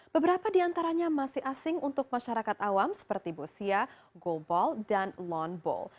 beberapa di antaranya masih asing untuk masyarakat awam seperti bosia golball dan loneball